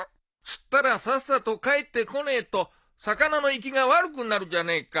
釣ったらさっさと帰ってこねえと魚の生きが悪くなるじゃねえか。